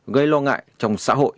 gây lo ngại trong xã hội